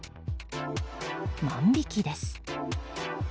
万引きです。